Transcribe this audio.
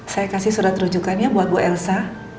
saya kasih surat rujukannya buat bu elsa